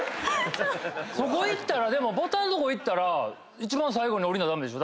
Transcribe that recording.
そこ行ったらでもボタンのとこ行ったら一番最後に降りな駄目でしょ？